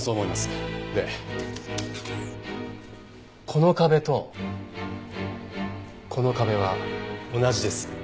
この壁とこの壁は同じです。